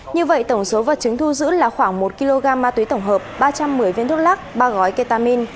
như vậy tổng số vật chứng thu giữ là khoảng một kg ma túy tổng hợp ba trăm một mươi viên thuốc lắc ba gói ketamin